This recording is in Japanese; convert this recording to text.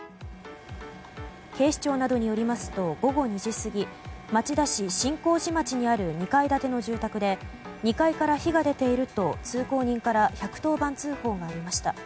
警視庁などによりますと午後２時過ぎ町田市真光寺町にある２階建ての住宅で２階から火が出ていると通行人から１１０番通報がありました。